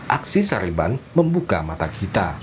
aksi sarliban membuka mata kita